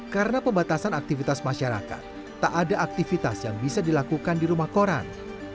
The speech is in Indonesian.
karena pembatasan aktivitas masyarakat tak ada aktivitas yang bisa dilakukan di rumah koran